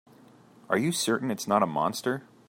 Are you certain it's not a monster?